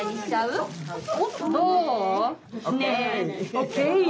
ＯＫ！